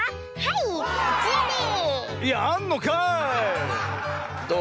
いやあんのかい！